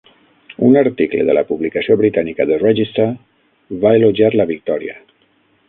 Un article de la publicació britànica The Register va elogiar la victòria.